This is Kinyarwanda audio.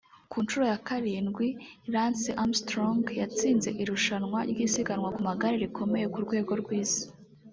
Ku nshuro ya karindwi Lance Armstrong yatsinze irushanwa ry’isiganwa ku magare rikomeye mu rwego rw’isi